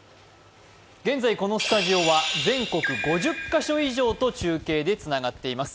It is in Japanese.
現在このスタジオは全国５０カ所以上と中継でつながっています。